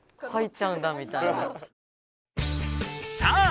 さあ